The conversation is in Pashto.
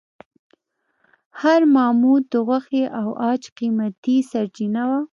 هر ماموت د غوښې او عاج قیمتي سرچینه وه.